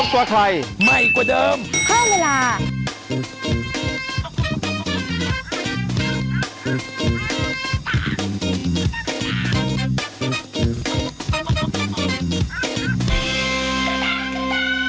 โปรดติดตามตอนต่อไป